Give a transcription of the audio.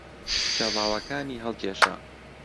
پێڵاوەکانی هەڵکێشا.